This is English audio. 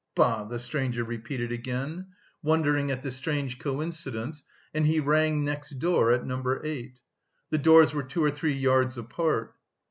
"Bah!" the stranger repeated again, wondering at the strange coincidence, and he rang next door, at No. 8. The doors were two or three yards apart.